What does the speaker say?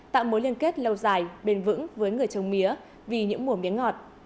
tạo mối liên kết lâu dài bền vững với người trồng mía vì những mùa miếng ngọt